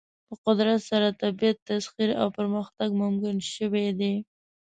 په قدرت سره طبیعت تسخیر او پرمختګ ممکن شوی دی.